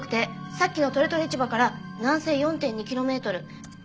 さっきのとれとれ市場から南西４．２キロメートル。